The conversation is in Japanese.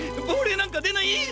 ぼうれいなんかでない！